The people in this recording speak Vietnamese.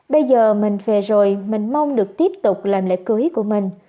bây giờ mình về rồi mình mong được tiếp tục làm lễ cưới của mình